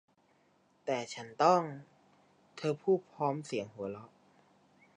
แต่ฉันต้อง เธอพูดพร้อมเสียงหัวเราะ